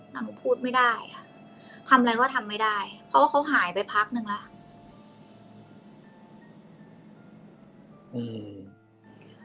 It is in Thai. หนูพูดไม่ได้ค่ะทำอะไรก็ทำไม่ได้เพราะว่าเขาหายไปพักนึงแล้ว